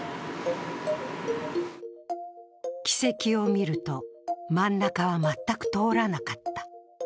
軌跡を見ると、真ん中は全く通らなかった。